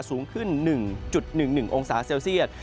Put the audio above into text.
สูงขึ้น๑๑๑องศาเซลเซียต